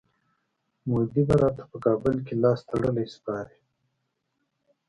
مودي به راته په کابل کي لاستړلی سپارئ.